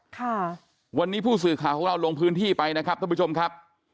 ค่ะวันนี้ผู้สื่อข่าวของเราลงพื้นที่ไปนะครับท่านผู้ชมครับ